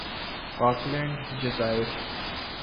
Falkland جزائر